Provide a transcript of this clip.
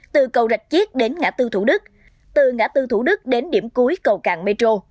từ cầu rạch chiếc đến ngã tư thủ đức từ ngã tư thủ đức đến điểm cuối cầu càng metro